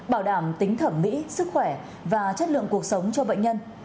bảo đảm tính thẩm mỹ sức khỏe và chất lượng cuộc sống cho bệnh nhân